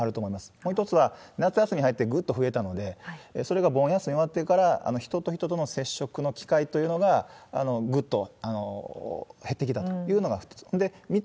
もう一つは、夏休み入ってぐっと増えたので、それが盆休み終わってから、人と人との接触の機会というのがぐっと減ってきたというのが２つ。